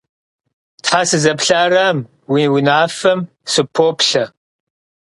Тхьэ, сызыпэплъэрам, уи унафэм сыпоплъэ.